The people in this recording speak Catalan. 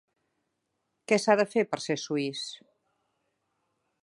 Què s'ha de fer per ser suís?